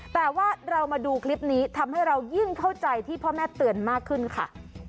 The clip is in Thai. แต่ว่าเรามาดูคลิปนี้ทำให้เรายิ่งเข้าใจที่พ่อแม่เตือนมากขึ้นค่ะ